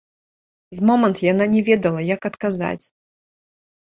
З момант яна не ведала, як адказаць.